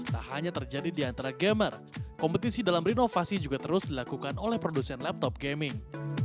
tak hanya terjadi di antara gamer kompetisi dalam berinovasi juga terus dilakukan oleh produsen laptop gaming